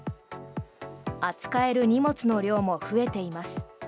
扱える荷物の量も増えています。